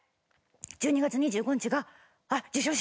１２月２５日が授賞式。